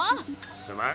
すまん。